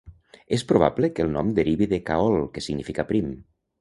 És probable que el nom derivi de "caol", que significa prim.